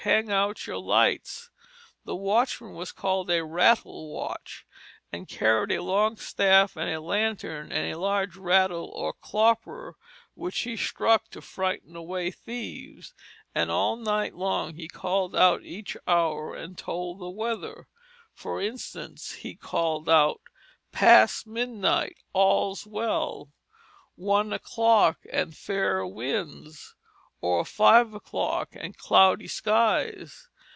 Hang out your lights." The watchman was called a rattle watch, and carried a long staff and a lantern and a large rattle or klopper, which he struck to frighten away thieves. And all night long he called out each hour, and told the weather. For instance, he called out, "Past midnight, and all's well"; "One o'clock and fair winds," or "Five o'clock and cloudy skies."